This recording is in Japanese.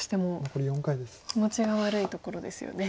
気持ちが悪いところですよね。